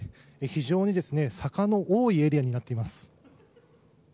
非常に坂の多いエリアになっています。